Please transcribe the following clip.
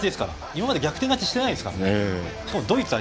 今まで逆転勝ちしてないですから。